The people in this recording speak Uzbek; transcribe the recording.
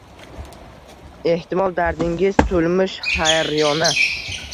Ehtimol dardingiz tulmish haryona